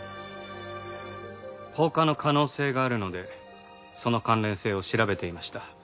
放火の可能性があるのでその関連性を調べていました。